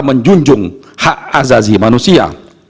menjunjung hak azazi manusia